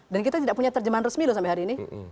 dan kita tidak punya terjemahan resmi loh sampai hari ini